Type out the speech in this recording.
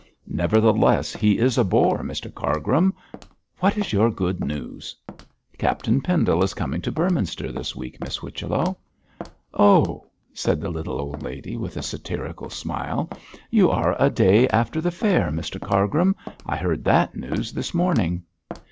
'Nevertheless, he is a bore, Mr Cargrim. What is your good news?' 'Captain Pendle is coming to Beorminster this week, Miss Whichello.' 'Oh,' said the little old lady, with a satirical smile, 'you are a day after the fair, Mr Cargrim. I heard that news this morning.'